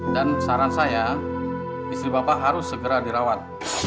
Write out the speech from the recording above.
dan saran saya istri bapak harus segera dirawat